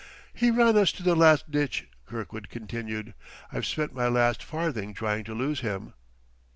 "He ran us to the last ditch," Kirkwood continued; "I've spent my last farthing trying to lose him."